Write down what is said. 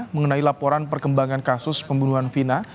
mengenai laporan perkembangan kasus pembunuhan vina